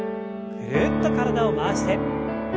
ぐるっと体を回して。